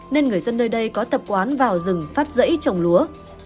nên người dân nơi đây có tập quán vào rừng phát rẫy trồng lúa